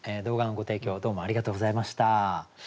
動画のご提供どうもありがとうございました。